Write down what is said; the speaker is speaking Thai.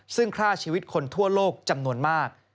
ซึ่งฆ่าชีวิตคนทั่วโลกจำนวนมาก